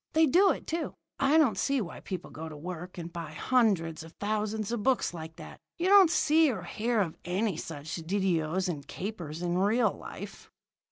They do it, too. I don't see why people go to work and buy hundreds of thousands of books like that. You don't see or hear of any such didoes and capers in real life."